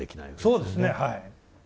そうですねはい。